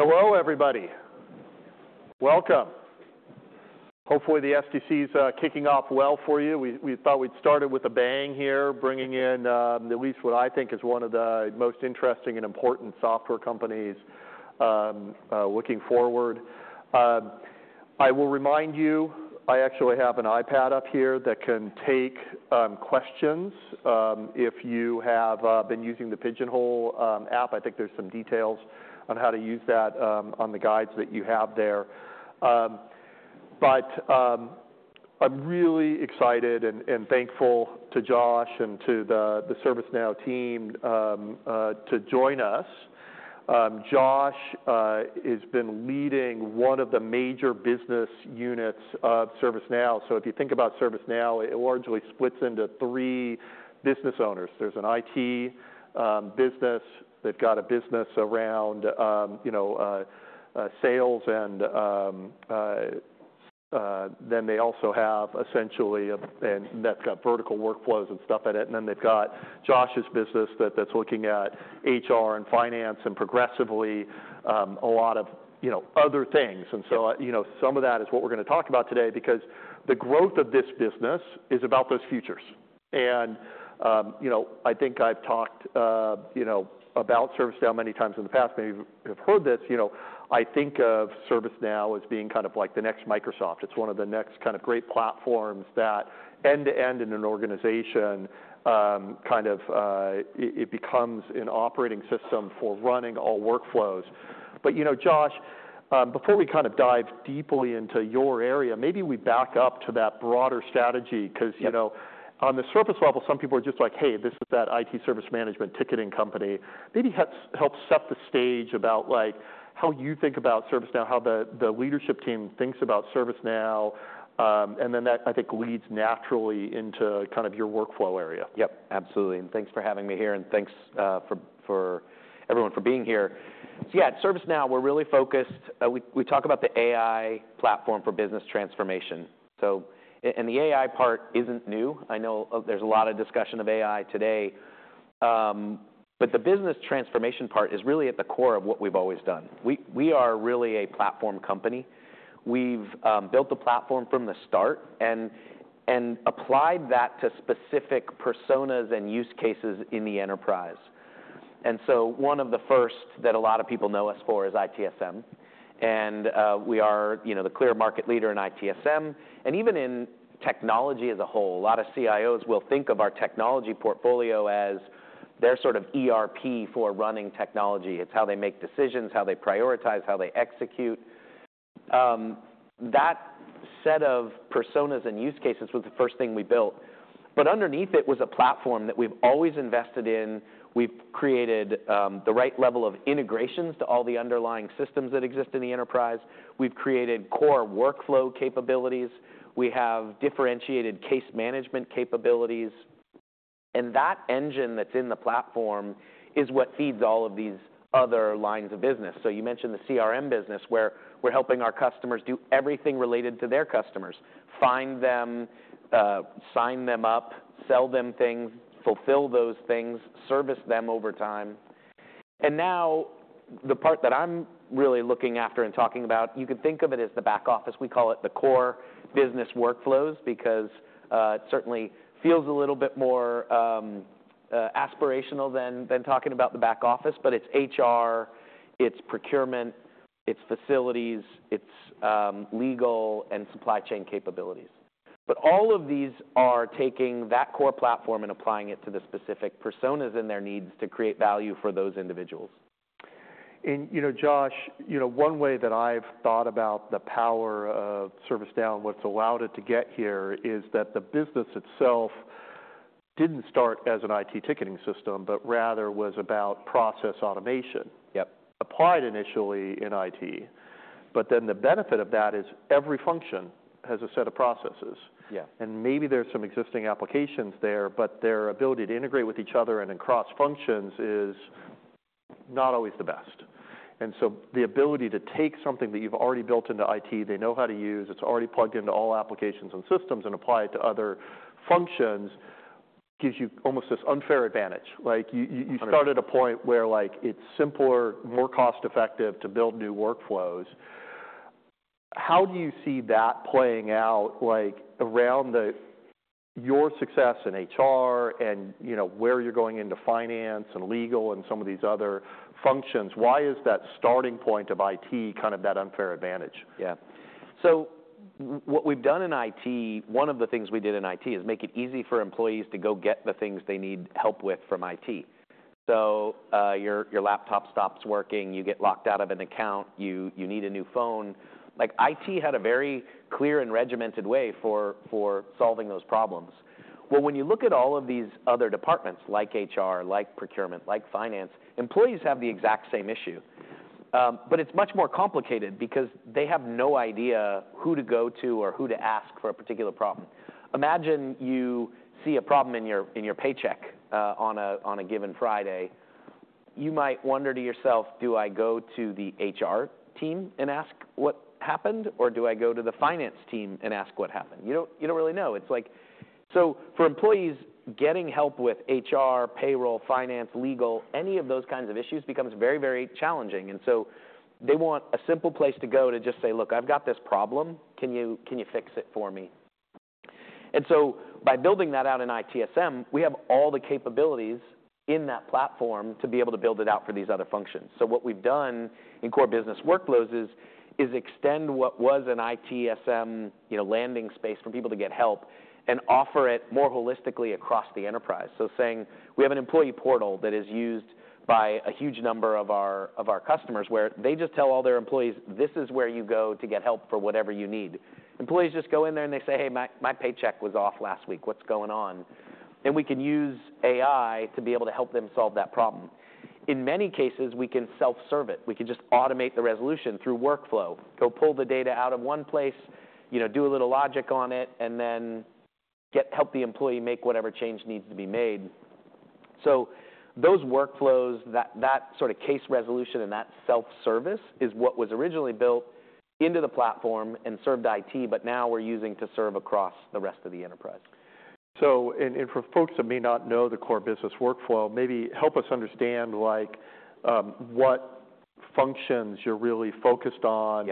Hello, everybody. Welcome. Hopefully, the STC is kicking off well for you. We thought we'd start it with a bang here, bringing in at least what I think is one of the most interesting and important software companies looking forward. I will remind you, I actually have an iPad up here that can take questions if you have been using the Pigeonhole app. I think there's some details on how to use that on the guides that you have there. But I'm really excited and thankful to Josh and to the ServiceNow team to join us. Josh has been leading one of the major business units of ServiceNow. If you think about ServiceNow, it largely splits into three business owners. There's an IT business. They've got a business around sales. And then they also have essentially that's got vertical workflows and stuff at it. They've got Josh's business that's looking at HR and finance and progressively a lot of other things. Some of that is what we're going to talk about today because the growth of this business is about those futures. I think I've talked about ServiceNow many times in the past. Maybe you've heard this. I think of ServiceNow as being kind of like the next Microsoft. It's one of the next kind of great platforms that end-to-end in an organization kind of it becomes an operating system for running all workflows. Josh, before we kind of dive deeply into your area, maybe we back up to that broader strategy because on the surface level, some people are just like, hey, this is that IT Service Management ticketing company. Maybe help set the stage about how you think about ServiceNow, how the leadership team thinks about ServiceNow. That, I think, leads naturally into kind of your workflow area. Yep, absolutely. Thanks for having me here. Thanks for everyone for being here. At ServiceNow, we're really focused when we talk about the AI platform for business transformation. The AI part isn't new. I know there's a lot of discussion of AI today. The business transformation part is really at the core of what we've always done. We are really a platform company. We've built the platform from the start and applied that to specific personas and use cases in the enterprise. One of the first that a lot of people know us for is ITSM. We are the clear market leader in ITSM. Even in technology as a whole, a lot of CIOs will think of our technology portfolio as their sort of ERP for running technology. It's how they make decisions, how they prioritize, how they execute. That set of personas and use cases was the first thing we built. Underneath it was a platform that we've always invested in. We've created the right level of integrations to all the underlying systems that exist in the enterprise. We've created core workflow capabilities. We have differentiated case management capabilities. That engine that's in the platform is what feeds all of these other lines of business. You mentioned the CRM business, where we're helping our customers do everything related to their customers: find them, sign them up, sell them things, fulfill those things, service them over time. Now the part that I'm really looking after and talking about, you can think of it as the back office. We call it the core business workflows because it certainly feels a little bit more aspirational than talking about the back office. It's HR, it's procurement, it's facilities, it's legal and supply chain capabilities. All of these are taking that core platform and applying it to the specific personas and their needs to create value for those individuals. Josh, one way that I've thought about the power of ServiceNow and what's allowed it to get here is that the business itself didn't start as an IT ticketing system, but rather was about process automation. Yep. Applied initially in IT. The benefit of that is every function has a set of processes. Maybe there's some existing applications there, but their ability to integrate with each other and across functions is not always the best. The ability to take something that you've already built into IT, they know how to use, it's already plugged into all applications and systems, and apply it to other functions gives you almost this unfair advantage. You start at a point where it's simpler, more cost-effective to build new workflows. How do you see that playing out around your success in HR and where you're going into finance and legal and some of these other functions? Why is that starting point of IT kind of that unfair advantage? Yeah. So what we've done in IT, one of the things we did in IT is make it easy for employees to go get the things they need help with from IT. So your laptop stops working. You get locked out of an account. You need a new phone. IT had a very clear and regimented way for solving those problems. When you look at all of these other departments, like HR, like procurement, like finance, employees have the exact same issue. It is much more complicated because they have no idea who to go to or who to ask for a particular problem. Imagine you see a problem in your paycheck on a given Friday. You might wonder to yourself, Do I go to the HR team and ask what happened? Or do I go to the finance team and ask what happened? You do not really know. For employees, getting help with HR, payroll, finance, legal, any of those kinds of issues becomes very, very challenging. They want a simple place to go to just say, Look, I've got this problem. Can you fix it for me? By building that out in ITSM, we have all the capabilities in that platform to be able to build it out for these other functions. What we've done in core business workflows is extend what was an ITSM landing space for people to get help and offer it more holistically across the enterprise. We have an employee portal that is used by a huge number of our customers, where they just tell all their employees, This is where you go to get help for whatever you need. Employees just go in there and they say, Hey, my paycheck was off last week. What's going on? We can use AI to be able to help them solve that problem. In many cases, we can self-serve it. We can just automate the resolution through workflow. Go pull the data out of one place, do a little logic on it, and then help the employee make whatever change needs to be made. Those workflows, that sort of case resolution and that self-service is what was originally built into the platform and served IT, but now we're using to serve across the rest of the enterprise. For folks that may not know the core business workflow, maybe help us understand what functions you're really focused on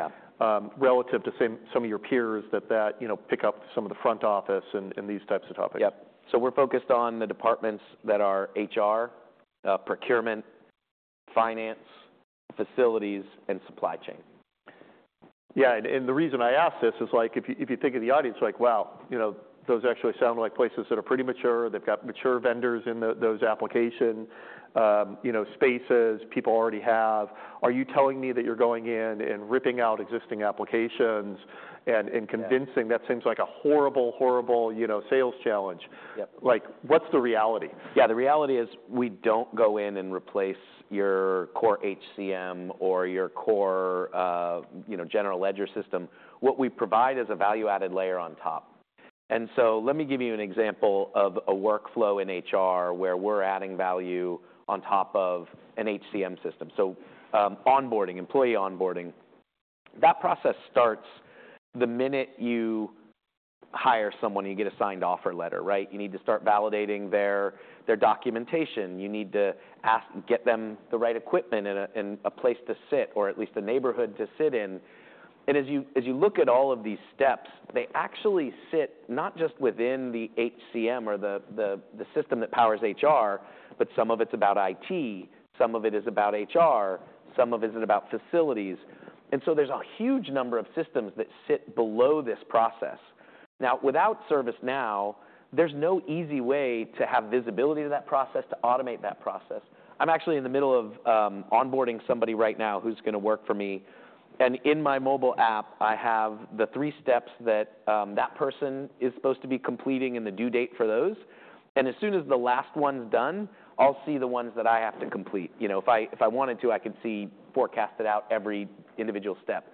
relative to some of your peers that pick up some of the front office and these types of topics. Yep. So we're focused on the departments that are HR, procurement, finance, facilities, and supply chain. Yeah. The reason I ask this is if you think of the audience, like, wow, those actually sound like places that are pretty mature. They have got mature vendors in those application spaces people already have. Are you telling me that you are going in and ripping out existing applications and convincing? That seems like a horrible, horrible sales challenge. What is the reality? Yeah. The reality is, we don't go in and replace your core HCM or your core general ledger system. What we provide is a value-added layer on top. Let me give you an example of a workflow in HR where we're adding value on top of an HCM system. Onboarding, employee onboarding. That process starts the minute you hire someone, you get a signed offer letter. You need to start validating their documentation. You need to get them the right equipment and a place to sit, or at least a neighborhood to sit in. As you look at all of these steps, they actually sit not just within the HCM or the system that powers HR, but some of it's about IT. Some of it is about HR. Some of it is about facilities. There is a huge number of systems that sit below this process. Now, without ServiceNow, there is no easy way to have visibility to that process, to automate that process. I'm actually in the middle of onboarding somebody right now who's going to work for me. In my mobile app, I have the three steps that that person is supposed to be completing and the due date for those. As soon as the last one is done, I'll see the ones that I have to complete. If I wanted to, I could see forecasted out every individual step.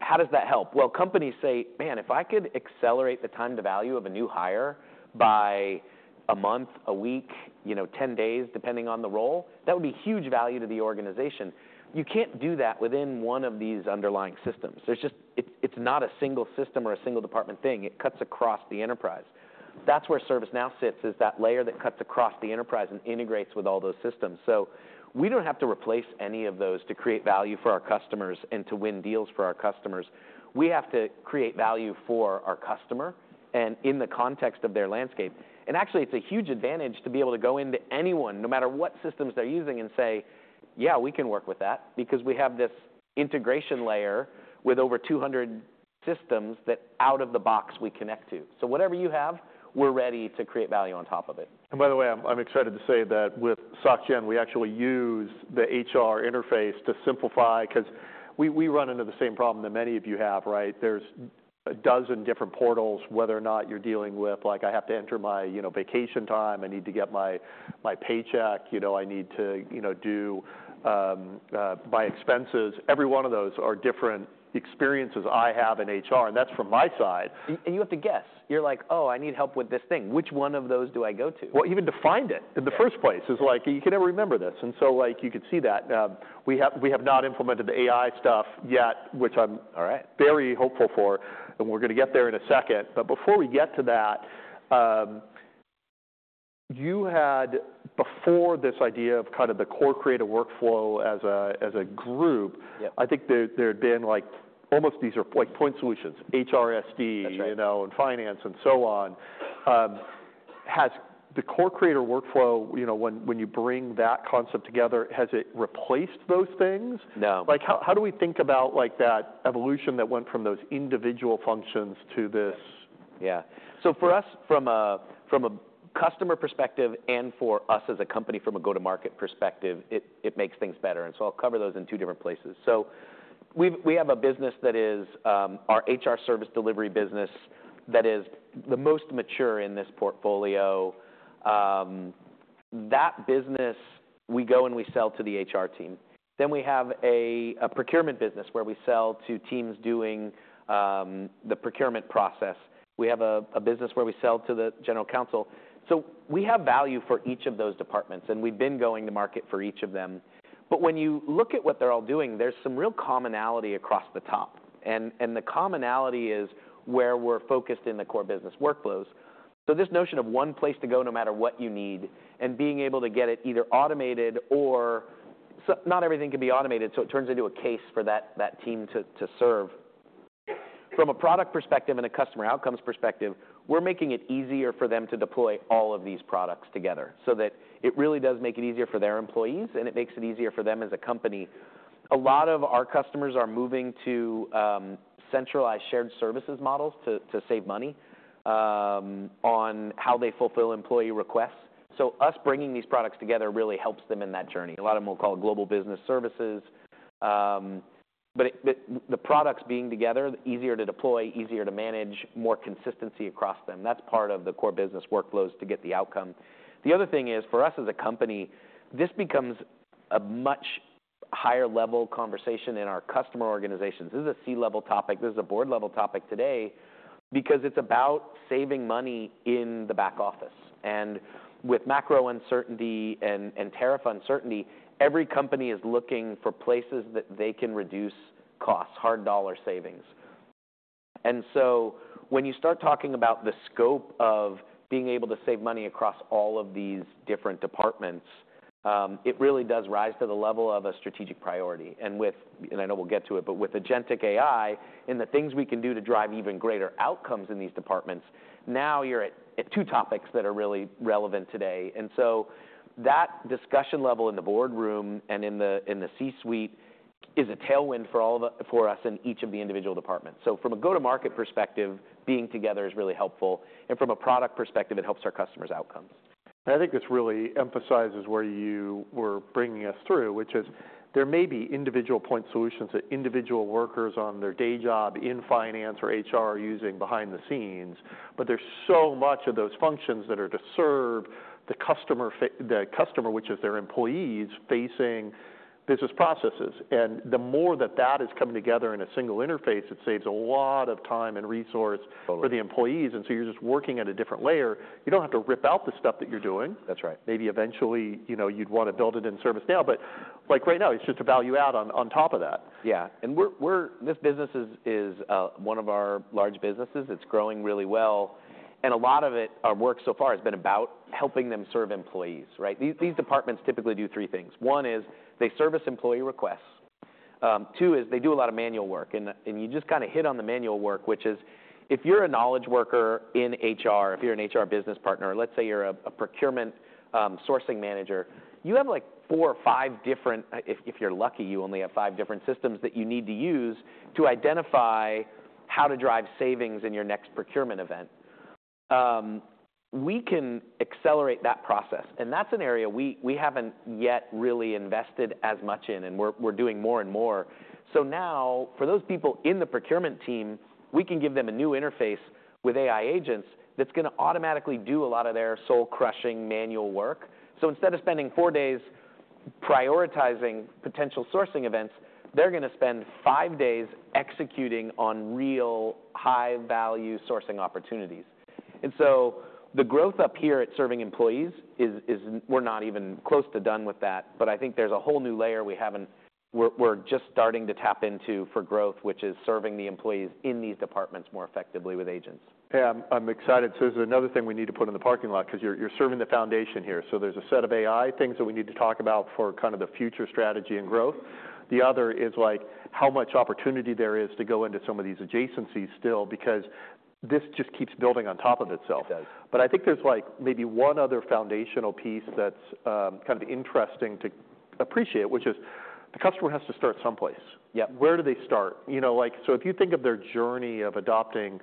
How does that help? Companies say, man, if I could accelerate the time to value of a new hire by a month, a week, 10 days, depending on the role, that would be huge value to the organization. You can't do that within one of these underlying systems. It's not a single system or a single department thing. It cuts across the enterprise. That's where ServiceNow sits, is that layer that cuts across the enterprise and integrates with all those systems. We don't have to replace any of those to create value for our customers and to win deals for our customers. We have to create value for our customer and in the context of their landscape. Actually, it's a huge advantage to be able to go into anyone, no matter what systems they're using, and say, yeah, we can work with that because we have this integration layer with over 200 systems that out of the box we connect to. Whatever you have, we're ready to create value on top of it. By the way, I'm excited to say that with Société Générale, we actually use the HR interface to simplify because we run into the same problem that many of you have. There's a dozen different portals, whether or not you're dealing with, I have to enter my vacation time. I need to get my paycheck. I need to do my expenses. Every one of those are different experiences I have in HR. And that's from my side. You have to guess. You're like, Oh, I need help with this thing. Which one of those do I go to? Even to find it in the first place is like, you can never remember this. You could see that. We have not implemented the AI stuff yet, which I'm very hopeful for. We're going to get there in a second. Before we get to that, you had, before this idea of kind of the core creator workflow as a group, I think there had been almost these are point solutions, HRSD, and finance, and so on. Has the core creator workflow, when you bring that concept together, has it replaced those things? No. How do we think about that evolution that went from those individual functions to this? Yeah. For us, from a customer perspective and for us as a company from a go-to-market perspective, it makes things better. I'll cover those in two different places. We have a business that is our HR Service Delivery business, that is the most mature in this portfolio. That business, we go and we sell to the HR team. Then we have a Procurement business where we sell to teams doing the procurement process. We have a business where we sell to the general counsel. We have value for each of those departments. We've been going to market for each of them. When you look at what they're all doing, there's some real commonality across the top. The commonality is where we're focused in the core business workflows. This notion of one place to go, no matter what you need, and being able to get it either automated or not, everything can be automated, so it turns into a case for that team to serve. From a product perspective and a customer outcomes perspective, we're making it easier for them to deploy all of these products together so that it really does make it easier for their employees, and it makes it easier for them as a company. A lot of our customers are moving to centralized shared services models to save money on how they fulfill employee requests. Us bringing these products together really helps them in that journey. A lot of them will call it global business services. The products being together, easier to deploy, easier to manage, more consistency across them. That is part of the core business workflows to get the outcome. The other thing is, for us as a company, this becomes a much higher-level conversation in our customer organizations. This is a C-level topic. This is a board-level topic today because it's about saving money in the back office. With macro uncertainty and tariff uncertainty, every company is looking for places that they can reduce costs, hard dollar savings. When you start talking about the scope of being able to save money across all of these different departments, it really does rise to the level of a strategic priority. I know we'll get to it, but with agentic AI and the things we can do to drive even greater outcomes in these departments, now you're at two topics that are really relevant today. That discussion level in the boardroom and in the C-suite is a tailwind for us in each of the individual departments. From a go-to-market perspective, being together is really helpful. From a product perspective, it helps our customers' outcomes. I think this really emphasizes where you were bringing us through, which is there may be individual point solutions that individual workers on their day job in finance or HR are using behind the scenes, but there's so much of those functions that are to serve the customer, which is their employees, facing business processes. The more that that is coming together in a single interface, it saves a lot of time and resource for the employees. You are just working at a different layer. You do not have to rip out the stuff that you are doing. That's right. Maybe eventually you'd want to build it in ServiceNow. Right now, it's just a value add on top of that. Yeah. This business is one of our large businesses. It's growing really well. A lot of it, our work so far, has been about helping them serve employees. These departments typically do three things. One is they service employee requests. Two is they do a lot of manual work. You just kind of hit on the manual work, which is if you're a knowledge worker in HR, if you're an HR business partner, let's say you're a procurement sourcing manager, you have four or five different, if you're lucky, you only have five different systems that you need to use to identify how to drive savings in your next procurement event. We can accelerate that process. That's an area we haven't yet really invested as much in. We're doing more and more. Now, for those people in the procurement team, we can give them a new interface with AI agents that's going to automatically do a lot of their soul-crushing manual work. Instead of spending four days prioritizing potential sourcing events, they're going to spend five days executing on real high-value sourcing opportunities. The growth up here at serving employees, we're not even close to done with that. I think there's a whole new layer we're just starting to tap into for growth, which is serving the employees in these departments more effectively with agents. Yeah. I'm excited. This is another thing we need to put in the parking lot because you're serving the foundation here. There's a set of AI things that we need to talk about for kind of the future strategy and growth. The other is how much opportunity there is to go into some of these adjacencies still because this just keeps building on top of itself. It does. I think there's maybe one other foundational piece that's kind of interesting to appreciate, which is the customer has to start someplace. Where do they start? If you think of their journey of adopting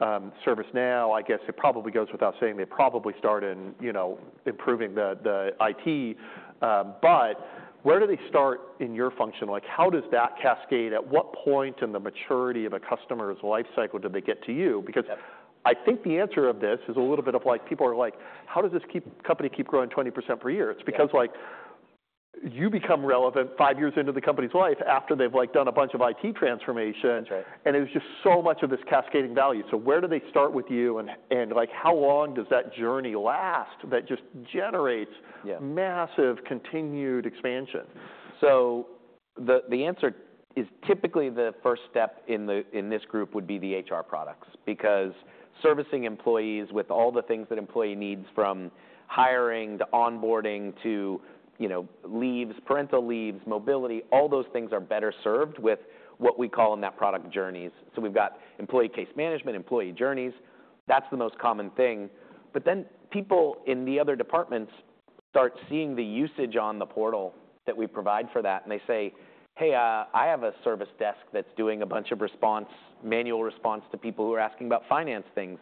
ServiceNow, I guess it probably goes without saying they probably start in improving the IT. Where do they start in your function? How does that cascade? At what point in the maturity of a customer's lifecycle do they get to you? I think the answer of this is a little bit of people are like, how does this company keep growing 20% per year? It's because you become relevant five years into the company's life after they've done a bunch of IT transformations. There's just so much of this cascading value. Where do they start with you? How long does that journey last that just generates massive continued expansion? The answer is typically the first step in this group would be the HR products because servicing employees with all the things that employee needs from hiring to onboarding to leaves, parental leaves, mobility, all those things are better served with what we call in that product journeys. We've got employee case management, employee journeys. That's the most common thing. Then people in the other departments start seeing the usage on the portal that we provide for that. They say, hey, I have a service desk that's doing a bunch of response, manual response to people who are asking about finance things.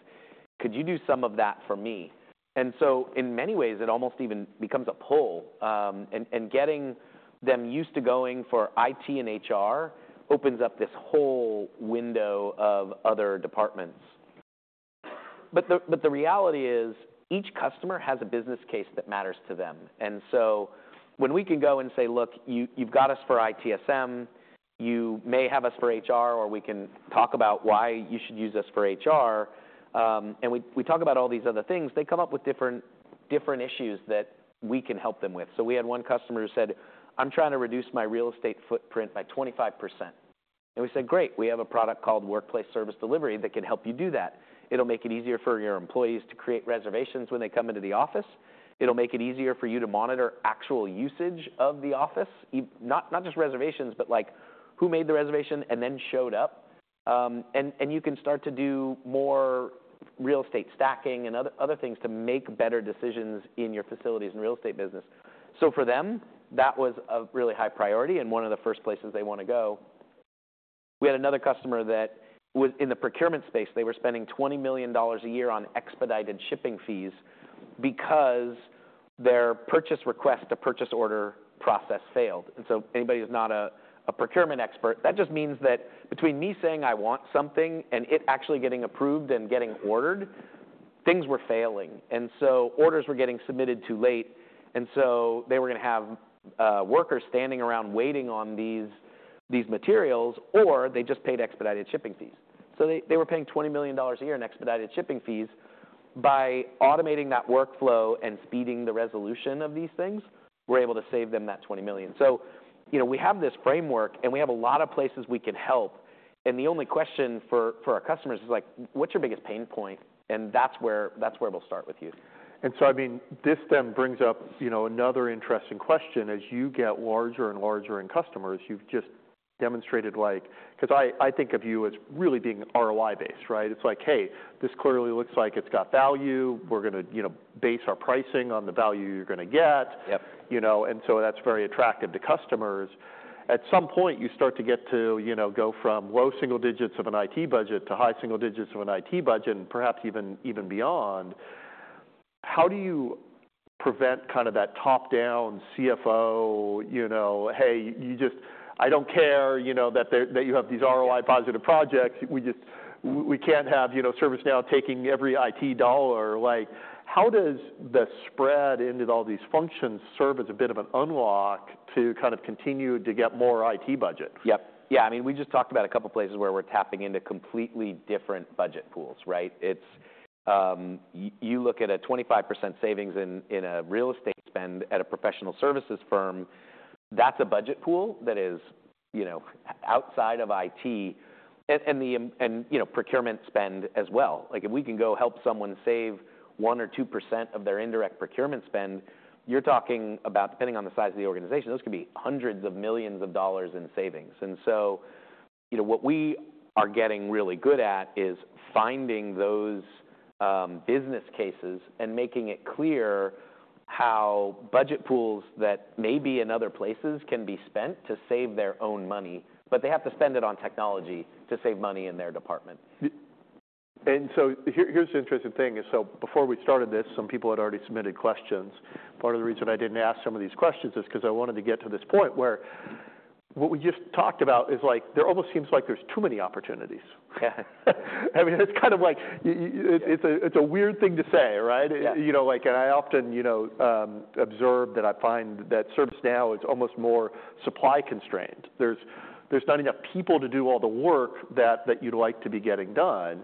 Could you do some of that for me? In many ways, it almost even becomes a pull. Getting them used to going for IT and HR opens up this whole window of other departments. The reality is each customer has a business case that matters to them. When we can go and say, look, you've got us for ITSM. You may have us for HR, or we can talk about why you should use us for HR. We talk about all these other things. They come up with different issues that we can help them with. We had one customer who said, I'm trying to reduce my real estate footprint by 25%. We said, Great. We have a product called Workplace Service Delivery that can help you do that. It'll make it easier for your employees to create reservations when they come into the office. It'll make it easier for you to monitor actual usage of the office, not just reservations, but who made the reservation and then showed up. You can start to do more real estate stacking and other things to make better decisions in your facilities and real estate business. For them, that was a really high priority and one of the first places they want to go. We had another customer that was in the procurement space. They were spending $20 million a year on expedited shipping fees because their purchase request, a purchase order process, failed. Anybody who's not a procurement expert, that just means that between me saying I want something and it actually getting approved and getting ordered, things were failing. Orders were getting submitted too late. They were going to have workers standing around waiting on these materials, or they just paid expedited shipping fees. They were paying $20 million a year in expedited shipping fees. By automating that workflow and speeding the resolution of these things, we're able to save them that $20 million. We have this framework, and we have a lot of places we can help. The only question for our customers is like, what's your biggest pain point? That's where we'll start with you. I mean, this then brings up another interesting question. As you get larger and larger in customers, you've just demonstrated because I think of you as really being ROI-based, right? It's like, hey, this clearly looks like it's got value. We're going to base our pricing on the value you're going to get. That's very attractive to customers. At some point, you start to get to go from low single digits of an IT budget to high single digits of an IT budget, and perhaps even beyond. How do you prevent kind of that top-down CFO, hey, I don't care that you have these ROI-positive projects. We can't have ServiceNow taking every IT dollar. How does the spread into all these functions serve as a bit of an unlock to kind of continue to get more IT budget? Yep. Yeah. I mean, we just talked about a couple of places where we're tapping into completely different budget pools, right? You look at a 25% savings in a real estate spend at a professional services firm. That's a budget pool that is outside of IT and procurement spend as well. If we can go help someone save 1% or 2% of their indirect procurement spend, you're talking about, depending on the size of the organization, those could be hundreds of millions of dollars in savings. What we are getting really good at is finding those business cases and making it clear how budget pools that may be in other places can be spent to save their own money, but they have to spend it on technology to save money in their department. Here's the interesting thing. Before we started this, some people had already submitted questions. Part of the reason I didn't ask some of these questions is because I wanted to get to this point where what we just talked about is like there almost seems like there's too many opportunities. I mean, it's kind of like it's a weird thing to say, right? I often observe that I find that ServiceNow is almost more supply constrained. There's not enough people to do all the work that you'd like to be getting done.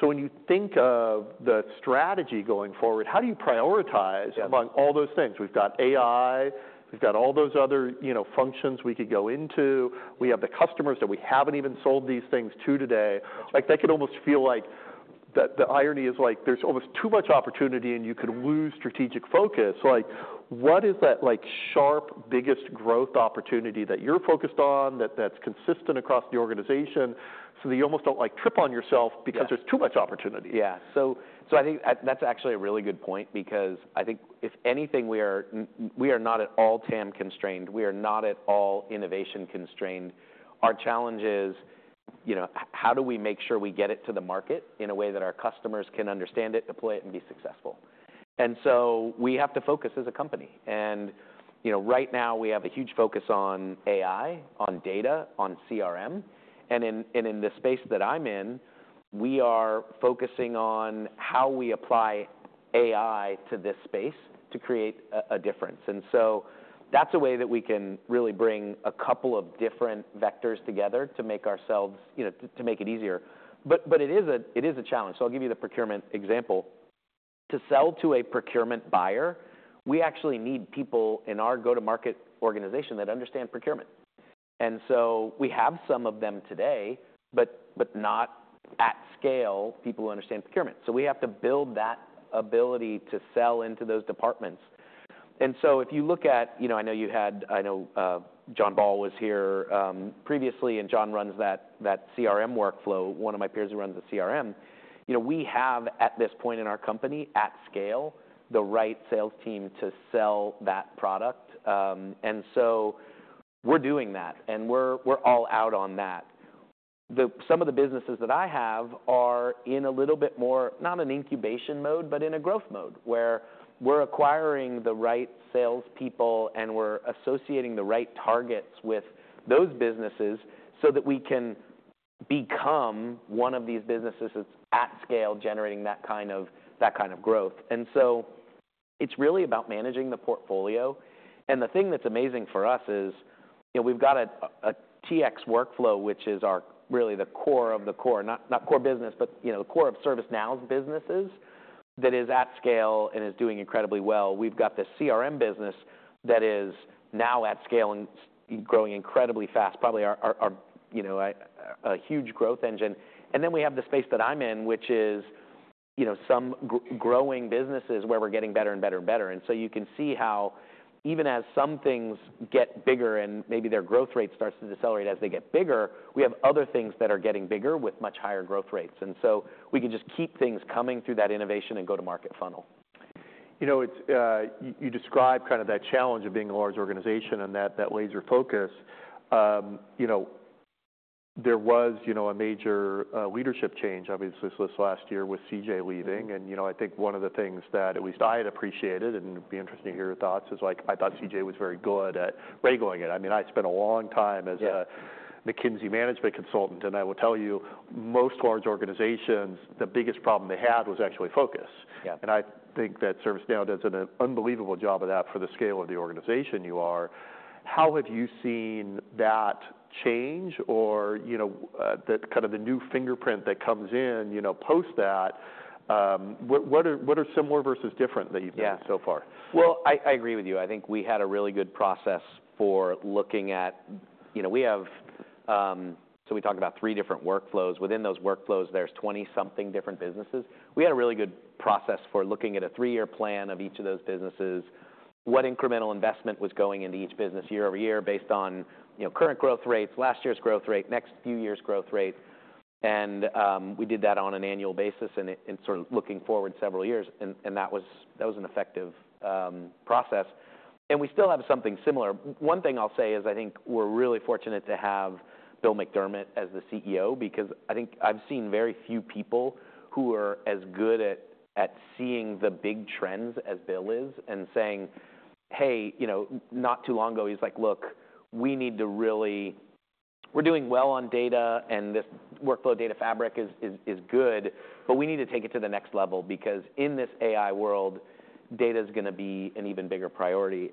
When you think of the strategy going forward, how do you prioritize among all those things? We've got AI. We've got all those other functions we could go into. We have the customers that we haven't even sold these things to today. They could almost feel like the irony is like there's almost too much opportunity and you could lose strategic focus. What is that sharp biggest growth opportunity that you're focused on that's consistent across the organization so that you almost don't trip on yourself because there's too much opportunity? Yeah. I think that's actually a really good point because I think if anything, we are not at all TAM constrained. We are not at all innovation-constrained. Our challenge is how do we make sure we get it to the market in a way that our customers can understand it, deploy it, and be successful? We have to focus as a company. Right now, we have a huge focus on AI, on data, on CRM. In the space that I'm in, we are focusing on how we apply AI to this space to create a difference. That's a way that we can really bring a couple of different vectors together to make ourselves, to make it easier. It is a challenge. I'll give you the procurement example. To sell to a procurement buyer, we actually need people in our go-to-market organization that understand procurement. We have some of them today, but not at scale, people who understand procurement. We have to build that ability to sell into those departments. If you look at, I know you had, I know John Ball was here previously, and John runs that CRM workflow. One of my peers who runs the CRM, we have at this point in our company at scale the right sales team to sell that product. We're doing that, and we're all out on that. Some of the businesses that I have are in a little bit more not an incubation mode, but in a growth mode where we're acquiring the right salespeople, and we're associating the right targets with those businesses so that we can become one of these businesses that's at scale generating that kind of growth. It is really about managing the portfolio. The thing that's amazing for us is we've got a TX workflow, which is really the core of the core, not core business, but the core of ServiceNow's businesses that is at scale and is doing incredibly well. We've got the CRM business that is now at scale and growing incredibly fast, probably a huge growth engine. Then we have the space that I'm in, which is some growing businesses where we're getting better and better and better. You can see how even as some things get bigger and maybe their growth rate starts to decelerate as they get bigger, we have other things that are getting bigger with much higher growth rates. We can just keep things coming through that innovation and go-to-market funnel. You describe kind of that challenge of being a large organization and that laser focus. There was a major leadership change, obviously, this last year with CJ leaving. I think one of the things that at least I had appreciated, and it'd be interesting to hear your thoughts, is I thought CJ was very good at regaling it. I mean, I spent a long time as a McKinsey management consultant. I will tell you, most large organizations, the biggest problem they had was actually focus. I think that ServiceNow does an unbelievable job of that for the scale of the organization you are. How have you seen that change or kind of the new fingerprint that comes in post that? What are similar versus different that you've done so far? Yeah. I agree with you. I think we had a really good process for looking at we have, so we talk about three different workflows. Within those workflows, there's 20-something different businesses. We had a really good process for looking at a three-year plan of each of those businesses, what incremental investment was going into each business year over year based on current growth rates, last year's growth rate, next few years' growth rate. We did that on an annual basis and sort of looking forward several years. That was an effective process. We still have something similar. One thing I'll say is I think we're really fortunate to have Bill McDermott as the CEO because I think I've seen very few people who are as good at seeing the big trends as Bill is and saying, hey, not too long ago, he's like, look, we need to really we're doing well on data, and this workflow data fabric is good, but we need to take it to the next level because in this AI world, data is going to be an even bigger priority.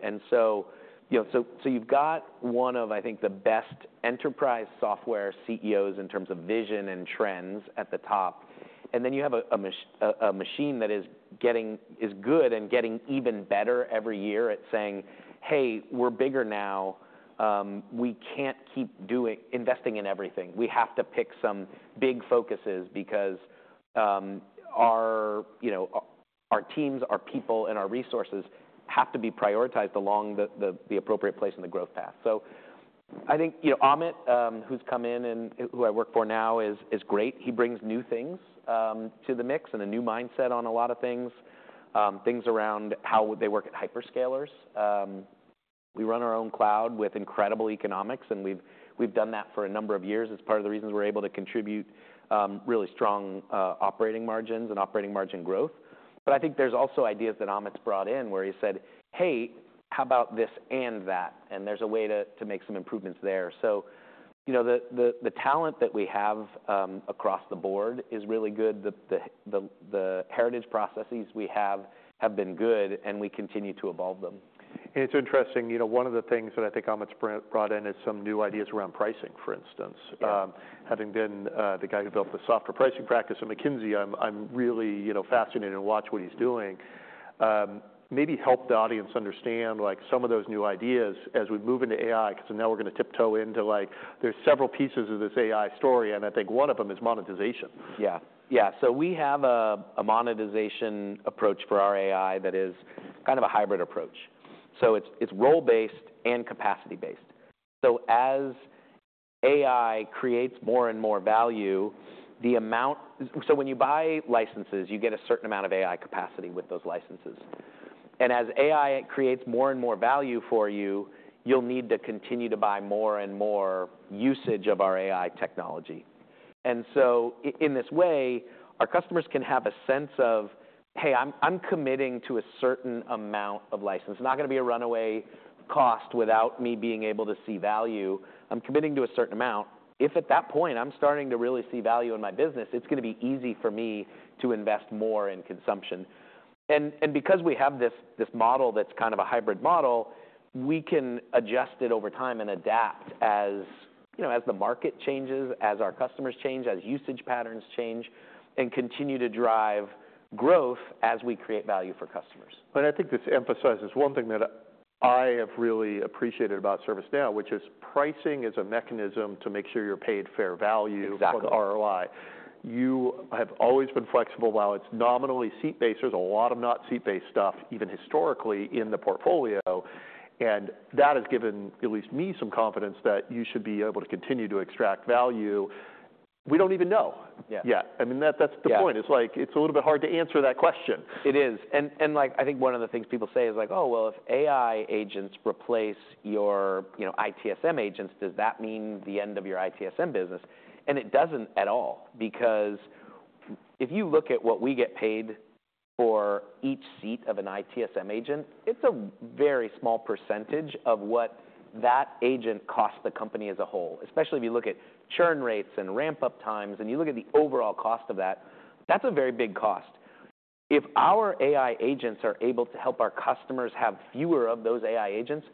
You have one of, I think, the best enterprise software CEOs in terms of vision and trends at the top. Then you have a machine that is good and getting even better every year at saying, hey, we're bigger now. We can't keep investing in everything. We have to pick some big focuses because our teams, our people, and our resources have to be prioritized along the appropriate place in the growth path. I think Amit, who's come in and who I work for now, is great. He brings new things to the mix and a new mindset on a lot of things, things around how they work at hyperscalers. We run our own cloud with incredible economics, and we've done that for a number of years. It's part of the reasons we're able to contribute really strong operating margins and operating margin growth. I think there's also ideas that Amit's brought in where he said, Hey, how about this and that? There's a way to make some improvements there. The talent that we have across the board is really good. The heritage processes we have have been good, and we continue to evolve them. It's interesting. One of the things that I think Amit's brought in is some new ideas around pricing, for instance. Having been the guy who built the software pricing practice at McKinsey, I'm really fascinated and watch what he's doing. Maybe help the audience understand some of those new ideas as we move into AI because now we're going to tiptoe into there's several pieces of this AI story, and I think one of them is monetization. Yeah. Yeah. We have a monetization approach for our AI that is kind of a hybrid approach. It is role-based and capacity-based. As AI creates more and more value, the amount, so when you buy licenses, you get a certain amount of AI capacity with those licenses. As AI creates more and more value for you, you will need to continue to buy more and more usage of our AI technology. In this way, our customers can have a sense of, hey, I am committing to a certain amount of license. It is not going to be a runaway cost without me being able to see value. I am committing to a certain amount. If at that point I am starting to really see value in my business, it is going to be easy for me to invest more in consumption. Because we have this model that's kind of a hybrid model, we can adjust it over time and adapt as the market changes, as our customers change, as usage patterns change, and continue to drive growth as we create value for customers. I think this emphasizes one thing that I have really appreciated about ServiceNow, which is pricing is a mechanism to make sure you're paid fair value for the ROI. You have always been flexible. While it's nominally seat-based, there's a lot of not-seat-based stuff, even historically, in the portfolio. That has given at least me some confidence that you should be able to continue to extract value. We don't even know yet. I mean, that's the point. It's a little bit hard to answer that question. It is. I think one of the things people say is like, oh, well, if AI agents replace your ITSM agents, does that mean the end of your ITSM business? It does not at all because if you look at what we get paid for each seat of an ITSM agent, it is a very small percentage of what that agent costs the company as a whole, especially if you look at churn rates and ramp-up times, and you look at the overall cost of that, that is a very big cost. If our AI agents are able to help our customers have fewer of those AI agents,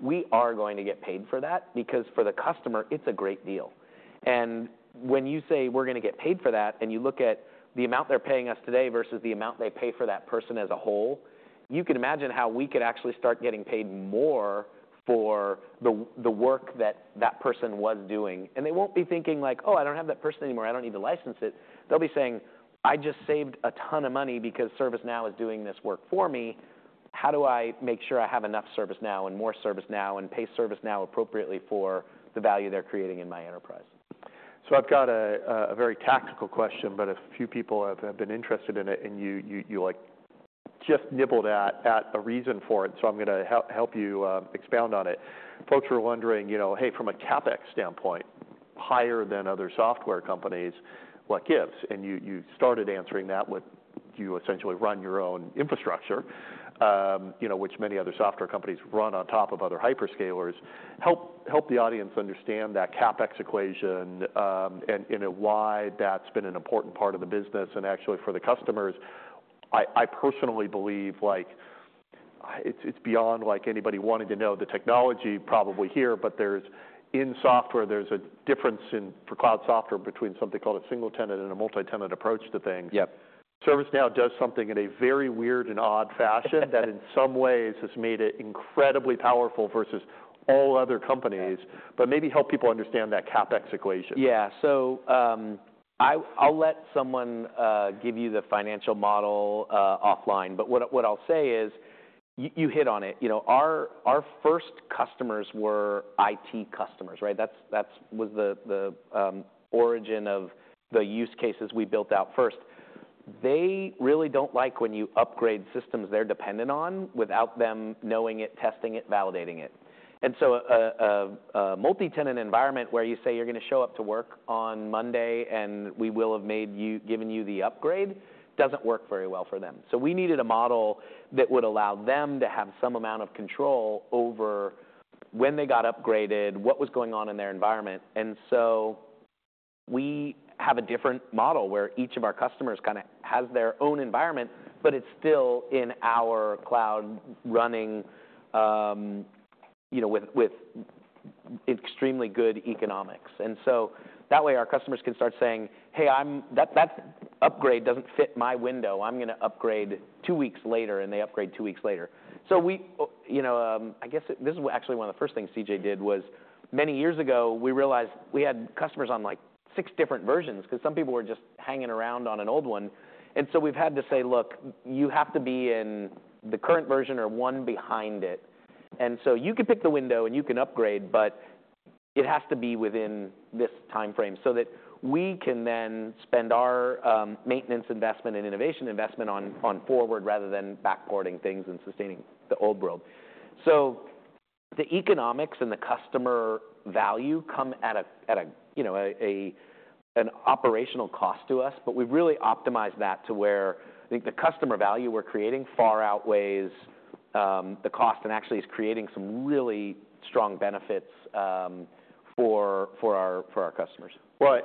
we are going to get paid for that because for the customer, it is a great deal. When you say we're going to get paid for that and you look at the amount they're paying us today versus the amount they pay for that person as a whole, you can imagine how we could actually start getting paid more for the work that that person was doing. They won't be thinking like, Oh, I don't have that person anymore. I don't need to license it. They'll be saying, I just saved a ton of money because ServiceNow is doing this work for me. How do I make sure I have enough ServiceNow and more ServiceNow and pay ServiceNow appropriately for the value they're creating in my enterprise? I've got a very tactical question, but a few people have been interested in it, and you just nibbled at a reason for it. I'm going to help you expound on it. Folks were wondering, hey, from a CapEx standpoint, higher than other software companies, what gives? You started answering that with you essentially run your own infrastructure, which many other software companies run on top of other hyperscalers. Help the audience understand that CapEx equation and why that's been an important part of the business. Actually, for the customers, I personally believe it's beyond anybody wanting to know the technology probably here, but in software, there's a difference for cloud software between something called a single-tenant and a multi-tenant approach to things. ServiceNow does something in a very weird and odd fashion that in some ways has made it incredibly powerful versus all other companies, but maybe help people understand that CapEx equation. Yeah. I'll let someone give you the financial model offline. What I'll say is you hit on it. Our first customers were IT customers, right? That was the origin of the use cases we built out first. They really do not like when you upgrade systems they're dependent on without them knowing it, testing it, validating it. A multi-tenant environment where you say you're going to show up to work on Monday and we will have given you the upgrade does not work very well for them. We needed a model that would allow them to have some amount of control over when they got upgraded, what was going on in their environment. We have a different model where each of our customers kind of has their own environment, but it's still in our cloud running with extremely good economics. That way, our customers can start saying, hey, that upgrade doesn't fit my window. I'm going to upgrade two weeks later, and they upgrade two weeks later. I guess this is actually one of the first things CJ did was many years ago, we realized we had customers on six different versions because some people were just hanging around on an old one. We've had to say, look, you have to be in the current version or one behind it. You can pick the window and you can upgrade, but it has to be within this time frame so that we can then spend our maintenance investment and innovation investment on forward rather than backboarding things and sustaining the old world. The economics and the customer value come at an operational cost to us, but we've really optimized that to where I think the customer value we're creating far outweighs the cost and actually is creating some really strong benefits for our customers. Right.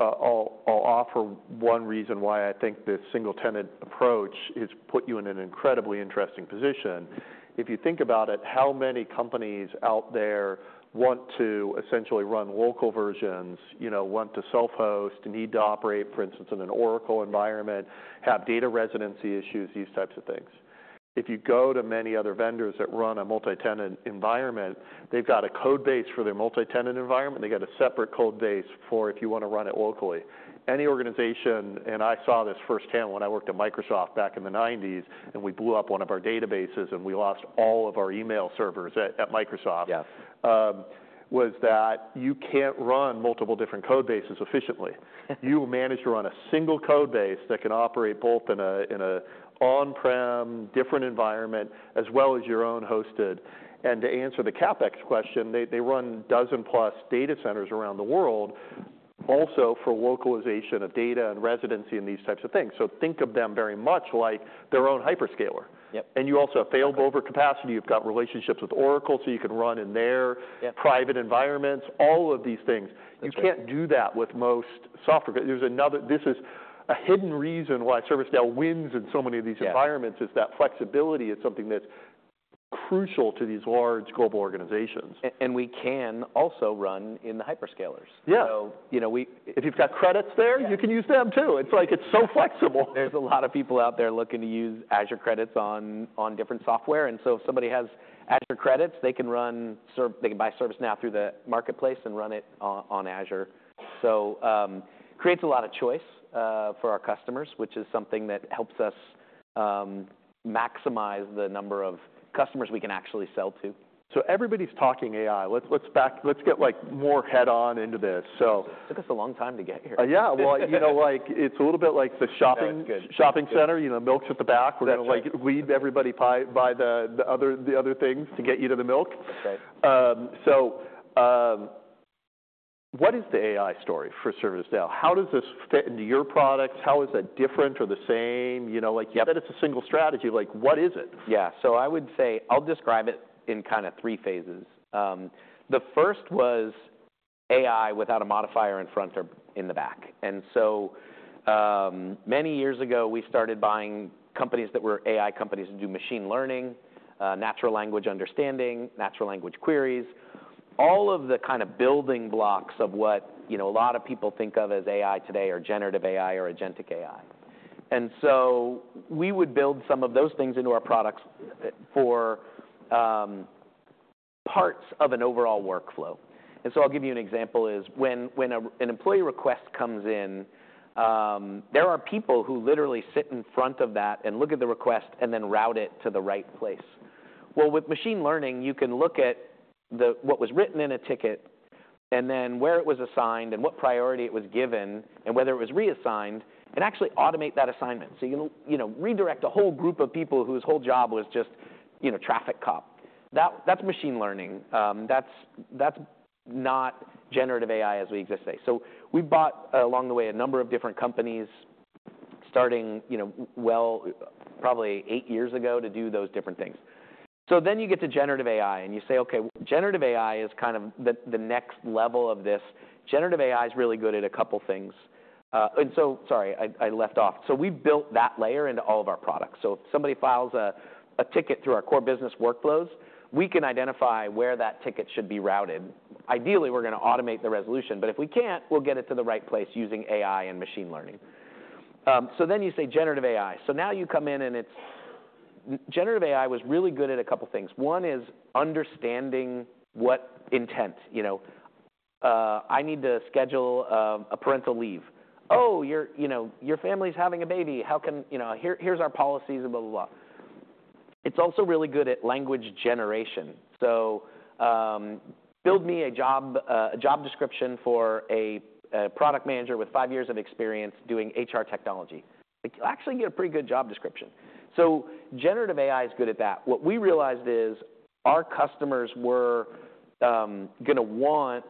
I'll offer one reason why I think the single-tenant approach has put you in an incredibly interesting position. If you think about it, how many companies out there want to essentially run local versions, want to self-host, need to operate, for instance, in an Oracle environment, have data residency issues, these types of things? If you go to many other vendors that run a multi-tenant environment, they've got a code base for their multi-tenant environment. They've got a separate code base for if you want to run it locally. Any organization, and I saw this firsthand when I worked at Microsoft back in the 1990s, and we blew up one of our databases and we lost all of our email servers at Microsoft, was that you can't run multiple different code bases efficiently. You manage to run a single code base that can operate both in an on-prem different environment as well as your own hosted. To answer the CapEx question, they run dozen-plus data centers around the world also for localization of data and residency and these types of things. Think of them very much like their own hyperscaler. You also have failed over capacity. You have relationships with Oracle so you can run in their private environments, all of these things. You cannot do that with most software. This is a hidden reason why ServiceNow wins in so many of these environments. That flexibility is something that is crucial to these large global organizations. We can also run in the hyperscalers. If you've got credits there, you can use them too. It's like it's so flexible. There are a lot of people out there looking to use Azure credits on different software. If somebody has Azure credits, they can buy ServiceNow through the marketplace and run it on Azure. It creates a lot of choice for our customers, which is something that helps us maximize the number of customers we can actually sell to. Everybody's talking AI. Let's get more head-on into this. It took us a long time to get here. Yeah. It's a little bit like the shopping center. Milk's at the back. We're going to lead everybody by the other things to get you to the milk. What is the AI story for ServiceNow? How does this fit into your products? How is that different or the same? You said it's a single strategy. What is it? Yeah. I would say I'll describe it in kind of three phases. The first was AI without a modifier in front or in the back. Many years ago, we started buying companies that were AI companies to do machine learning, natural language understanding, natural language queries, all of the kind of building blocks of what a lot of people think of as AI today or generative AI or agentic AI. We would build some of those things into our products for parts of an overall workflow. I'll give you an example. When an employee request comes in, there are people who literally sit in front of that and look at the request and then route it to the right place. With machine learning, you can look at what was written in a ticket and then where it was assigned and what priority it was given and whether it was reassigned and actually automate that assignment. You can redirect a whole group of people whose whole job was just traffic cop. That is machine learning. That is not generative AI as we exist today. We bought along the way a number of different companies starting, well, probably eight years ago to do those different things. You get to generative AI and you say, okay, generative AI is kind of the next level of this. Generative AI is really good at a couple of things. Sorry, I left off. We have built that layer into all of our products. If somebody files a ticket through our core business workflows, we can identify where that ticket should be routed. Ideally, we're going to automate the resolution, but if we can't, we'll get it to the right place using AI and machine learning. You say generative AI. Now you come in and generative AI was really good at a couple of things. One is understanding what intent. I need to schedule a parental leave. Oh, your family's having a baby. Here's our policies and blah, blah, blah. It's also really good at language generation. Build me a job description for a product manager with five years of experience doing HR technology. You'll actually get a pretty good job description. Generative AI is good at that. What we realized is our customers were going to want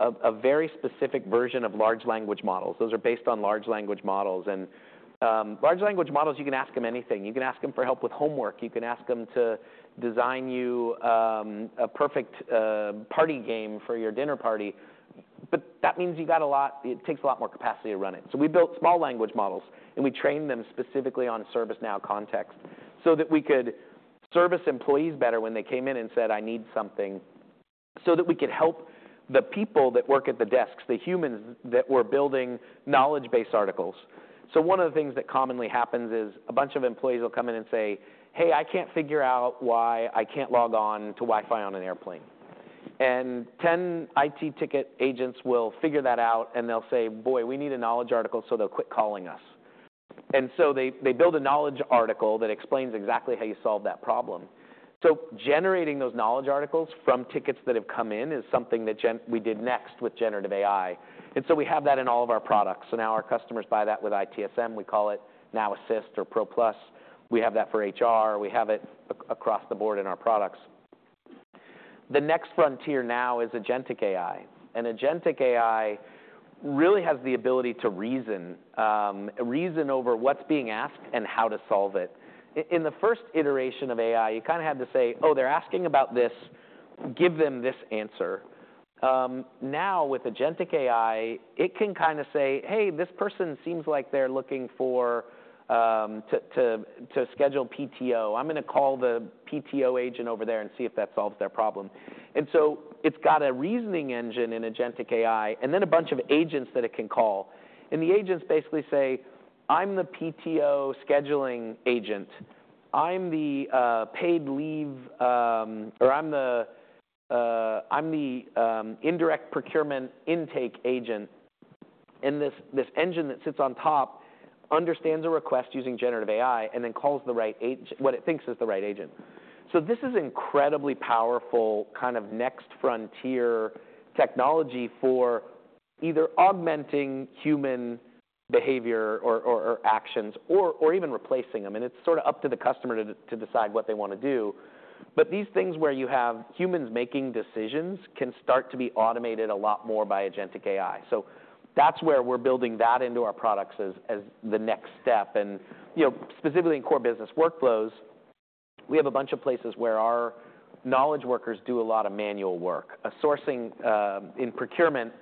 a very specific version of large language models. Those are based on large language models. Large language models, you can ask them anything. You can ask them for help with homework. You can ask them to design you a perfect party game for your dinner party. That means you've got a lot; it takes a lot more capacity to run it. We built small language models, and we trained them specifically on ServiceNow context so that we could service employees better when they came in and said, "I need something," so that we could help the people that work at the desks, the humans that were building knowledge-based articles. One of the things that commonly happens is a bunch of employees will come in and say, "Hey, I can't figure out why I can't log on to Wi-Fi on an airplane." Ten IT ticket agents will figure that out, and they'll say, "Boy, we need a knowledge article," so they'll quit calling us. They build a knowledge article that explains exactly how you solve that problem. Generating those knowledge articles from tickets that have come in is something that we did next with generative AI. We have that in all of our products. Now our customers buy that with ITSM. We call it Now Assist or Pro Plus. We have that for HR. We have it across the board in our products. The next frontier now is agentic AI. Agentic AI really has the ability to reason over what's being asked and how to solve it. In the first iteration of AI, you kind of had to say, "Oh, they're asking about this. Give them this answer." Now with agentic AI, it can kind of say, "Hey, this person seems like they're looking to schedule PTO. I'm going to call the PTO agent over there and see if that solves their problem." It has a reasoning engine in agentic AI and then a bunch of agents that it can call. The agents basically say, "I'm the PTO scheduling agent. I'm the paid leave or I'm the indirect procurement intake agent." This engine that sits on top understands a request using generative AI and then calls what it thinks is the right agent. This is incredibly powerful kind of next frontier technology for either augmenting human behavior or actions or even replacing them. It is sort of up to the customer to decide what they want to do. These things where you have humans making decisions can start to be automated a lot more by agentic AI. That is where we are building that into our products as the next step. Specifically in core business workflows, we have a bunch of places where our knowledge workers do a lot of manual work. In procurement,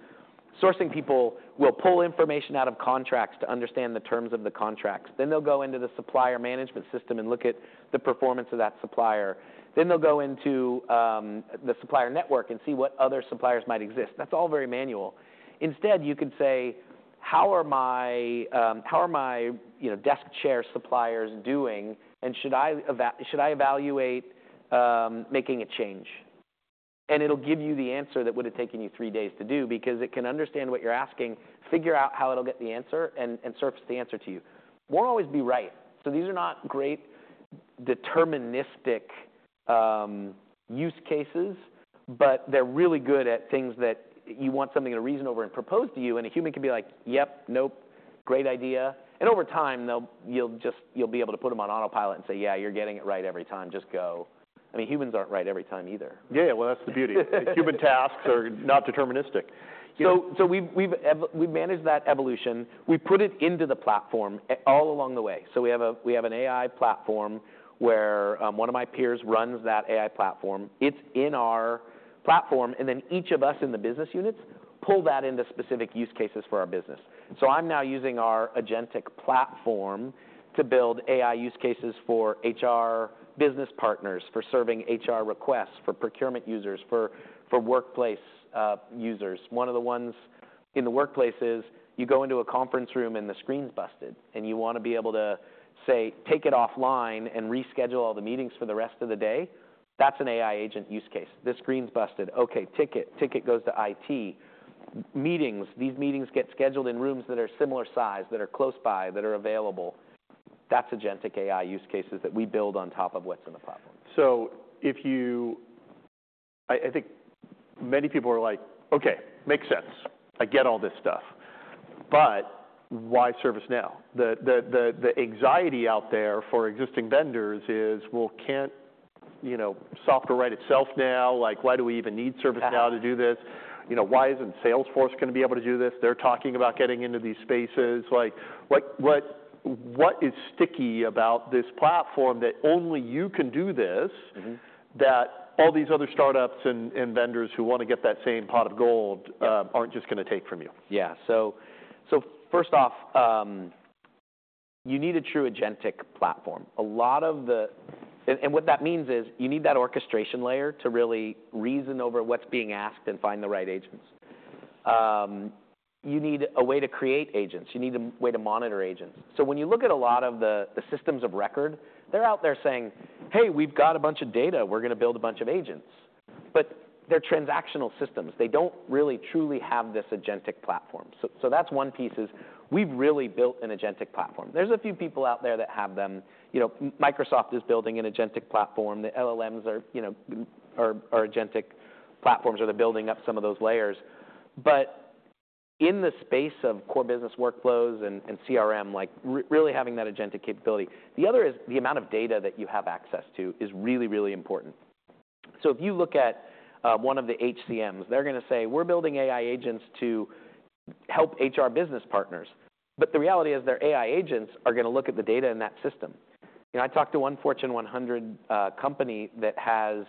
sourcing people will pull information out of contracts to understand the terms of the contracts. They will go into the supplier management system and look at the performance of that supplier. They will go into the supplier network and see what other suppliers might exist. That is all very manual. Instead, you could say, "How are my desk chair suppliers doing? And should I evaluate making a change?" It will give you the answer that would have taken you three days to do because it can understand what you're asking, figure out how it'll get the answer, and surface the answer to you. Won't always be right. These are not great deterministic use cases, but they're really good at things that you want something to reason over and propose to you, and a human can be like, "Yep, nope, great idea." Over time, you'll be able to put them on autopilot and say, "Yeah, you're getting it right every time. Just go." I mean, humans aren't right every time either. Yeah, yeah. That's the beauty. Human tasks are not deterministic. We've managed that evolution. We put it into the platform all along the way. We have an AI platform where one of my peers runs that AI platform. It's in our platform, and then each of us in the business units pull that into specific use cases for our business. I'm now using our agentic platform to build AI use cases for HR business partners, for serving HR requests, for procurement users, for workplace users. One of the ones in the workplace is you go into a conference room and the screen's busted, and you want to be able to say, "Take it offline and reschedule all the meetings for the rest of the day." That's an AI agent use case. The screen's busted. Okay, ticket. Ticket goes to IT. Meetings. These meetings get scheduled in rooms that are similar size, that are close by, that are available. That's agentic AI use cases that we build on top of what's in the platform. I think many people are like, "Okay, makes sense. I get all this stuff. But why ServiceNow?" The anxiety out there for existing vendors is, "Well, can't software write itself now? Why do we even need ServiceNow to do this? Why isn't Salesforce going to be able to do this? They're talking about getting into these spaces. What is sticky about this platform that only you can do this that all these other startups and vendors who want to get that same pot of gold aren't just going to take from you? Yeah. First off, you need a true agentic platform. What that means is you need that orchestration layer to really reason over what's being asked and find the right agents. You need a way to create agents. You need a way to monitor agents. When you look at a lot of the systems of record, they're out there saying, "Hey, we've got a bunch of data. We're going to build a bunch of agents." They're transactional systems. They don't really truly have this agentic platform. That's one piece is we've really built an agentic platform. There's a few people out there that have them. Microsoft is building an agentic platform. The LLMs are agentic platforms where they're building up some of those layers. In the space of core business workflows and CRM, really having that agentic capability. The other is the amount of data that you have access to is really, really important. If you look at one of the HCMs, they're going to say, "We're building AI agents to help HR business partners." The reality is their AI agents are going to look at the data in that system. I talked to one Fortune 100 company that has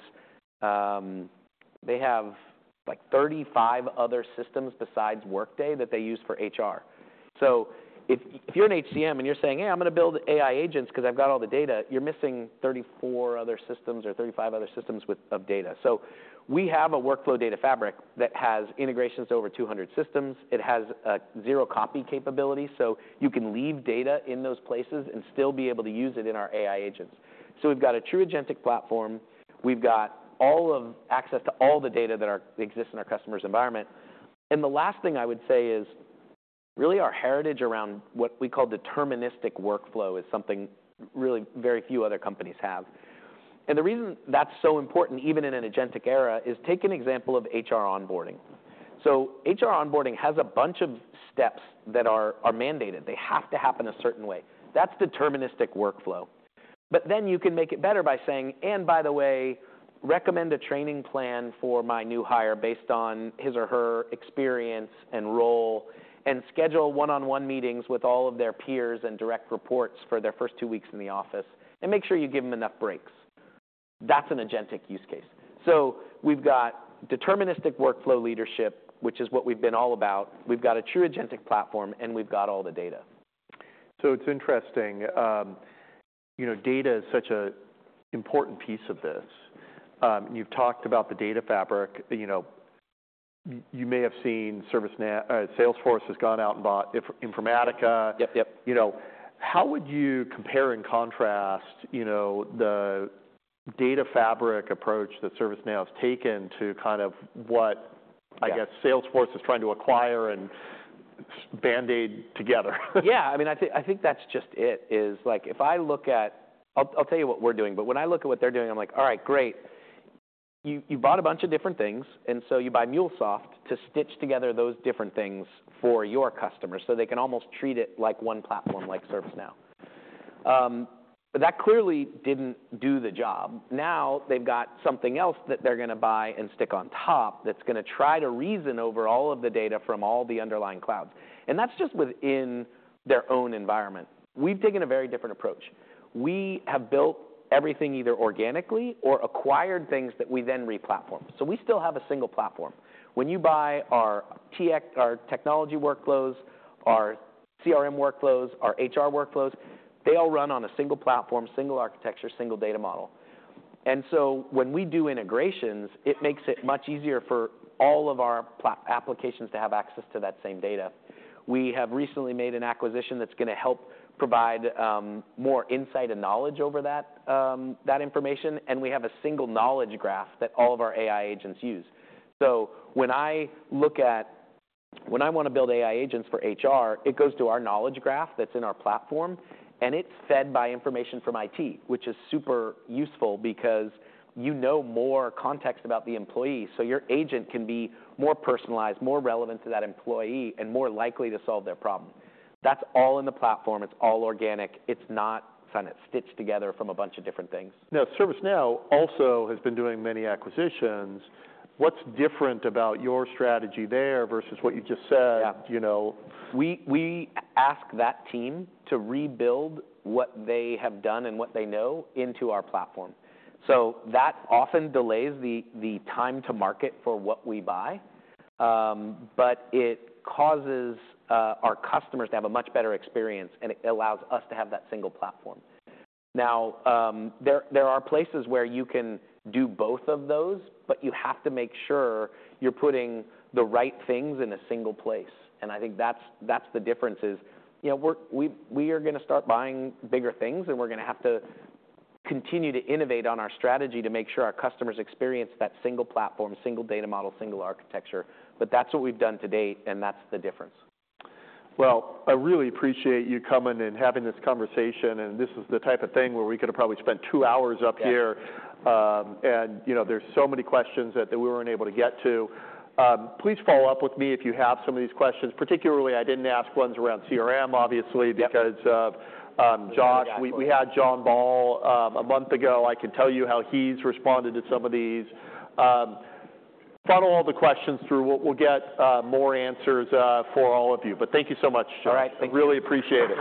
like 35 other systems besides Workday that they use for HR. If you're an HCM and you're saying, "Hey, I'm going to build AI agents because I've got all the data," you're missing 34 other systems or 35 other systems of data. We have a workflow data fabric that has integrations to over 200 systems. It has zero-copy capability. You can leave data in those places and still be able to use it in our AI agents. We've got a true agentic platform. We've got access to all the data that exists in our customer's environment. The last thing I would say is really our heritage around what we call deterministic workflow is something really very few other companies have. The reason that's so important even in an agentic era is take an example of HR onboarding. HR onboarding has a bunch of steps that are mandated. They have to happen a certain way. That's deterministic workflow. Then you can make it better by saying, "And by the way, recommend a training plan for my new hire based on his or her experience and role, and schedule one-on-one meetings with all of their peers and direct reports for their first two weeks in the office, and make sure you give them enough breaks." That's an agentic use case. We've got deterministic workflow leadership, which is what we've been all about. We've got a true agentic platform, and we've got all the data. It's interesting. Data is such an important piece of this. You've talked about the data fabric. You may have seen Salesforce has gone out and bought Informatica. How would you compare and contrast the data fabric approach that ServiceNow has taken to kind of what, I guess, Salesforce is trying to acquire and Band-Aid together? Yeah. I mean, I think that's just it. If I look at, I'll tell you what we're doing, but when I look at what they're doing, I'm like, "All right, great. You bought a bunch of different things, and so you buy MuleSoft to stitch together those different things for your customers so they can almost treat it like one platform like ServiceNow." That clearly didn't do the job. Now they've got something else that they're going to buy and stick on top that's going to try to reason over all of the data from all the underlying clouds. That is just within their own environment. We've taken a very different approach. We have built everything either organically or acquired things that we then re-platform. So we still have a single platform. When you buy our technology workflows, our CRM workflows, our HR workflows, they all run on a single platform, single architecture, single data model. When we do integrations, it makes it much easier for all of our applications to have access to that same data. We have recently made an acquisition that's going to help provide more insight and knowledge over that information, and we have a single knowledge graph that all of our AI agents use. When I look at, when I want to build AI agents for HR, it goes to our knowledge graph that's in our platform, and it's fed by information from IT, which is super useful because you know more context about the employee. Your agent can be more personalized, more relevant to that employee, and more likely to solve their problem. That's all in the platform. It's all organic. It's not kind of stitched together from a bunch of different things. Now, ServiceNow also has been doing many acquisitions. What's different about your strategy there versus what you just said? We ask that team to rebuild what they have done and what they know into our platform. That often delays the time to market for what we buy, but it causes our customers to have a much better experience, and it allows us to have that single platform. Now, there are places where you can do both of those, but you have to make sure you're putting the right things in a single place. I think that's the difference is we are going to start buying bigger things, and we're going to have to continue to innovate on our strategy to make sure our customers experience that single platform, single data model, single architecture. That's what we've done to date, and that's the difference. I really appreciate you coming and having this conversation. This is the type of thing where we could have probably spent two hours up here, and there are so many questions that we were not able to get to. Please follow up with me if you have some of these questions. Particularly, I did not ask ones around CRM, obviously, because of Josh. We had John Ball a month ago. I can tell you how he has responded to some of these. Follow all the questions through. We will get more answers for all of you. Thank you so much, Josh. All right. Thank you. Really appreciate it.